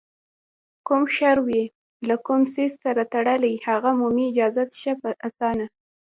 کوم شر وي له کوم څیز سره تړلی، هغه مومي اجازت ښه په اسانه